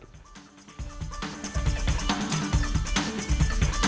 tidak ada yang mencoba